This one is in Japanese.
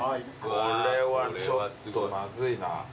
これはちょっとまずいな。